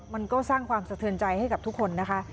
มันก็สร้างความสะเทือนใจให้กับทุกคนนะคะ